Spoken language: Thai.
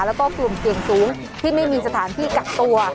แล้วก็กลุ่มเสี่ยงสูงที่ไม่มีสถานที่กักตัว